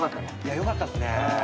よかったっすね。